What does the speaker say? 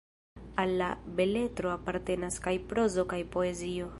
Al la beletro apartenas kaj prozo kaj poezio.